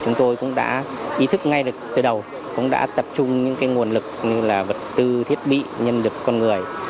chúng tôi cũng đã ý thức ngay từ đầu cũng đã tập trung những nguồn lực như là vật tư thiết bị nhân lực con người